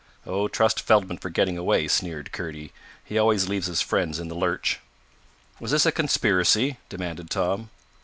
"Oh, trust Feldman for getting away," sneered Kurdy. "He always leaves his friends in the lurch." "Was this a conspiracy?" demanded Tom.